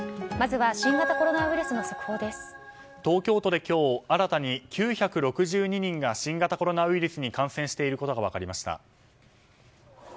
まずは新型コロナウイルスの東京都で今日新たに９６２人が新型コロナウイルスに感染していることが分かりました。